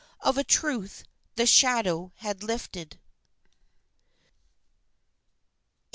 Of a truth, the shadow had lifted.